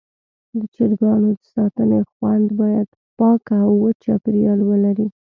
د چرګانو د ساتنې خونه باید پاکه او وچ چاپېریال ولري.